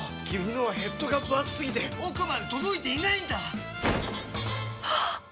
君のはヘッドがぶ厚すぎて奥まで届いていないんだっ！